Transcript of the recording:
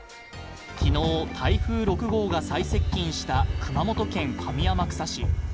昨日、台風６号が最接近した熊本県上天草市。